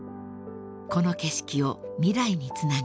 ［この景色を未来につなぐ］